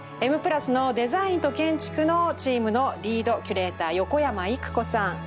「Ｍ＋」のデザインと建築のチームのリードキュレーター横山いくこさん。